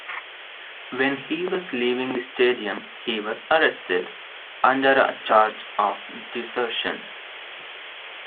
When he was leaving the stadium he was arrested, under a charge of desertion.